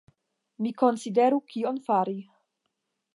Mi konsideru kion fari.